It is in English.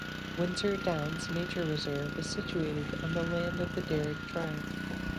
Windsor Downs Nature Reserve is situated on the land of the Darug tribe.